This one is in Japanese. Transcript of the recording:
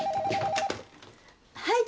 はい。